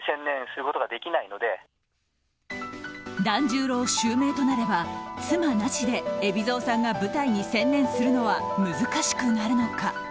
團十郎襲名となれば妻なしで海老蔵さんが舞台に専念するのは難しくなるのか。